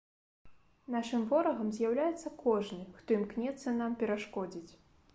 Нашым ворагам з'яўляецца кожны, хто імкнецца нам перашкодзіць.